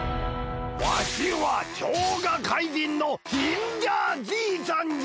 わたしはしょうがかいじんのジンジャーじいさんじゃ！